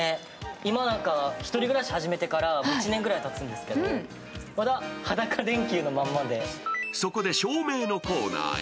今、１人暮らし始めてから１年ぐらいたつんですけどそこで照明のコーナーへ。